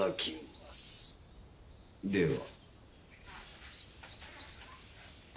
では。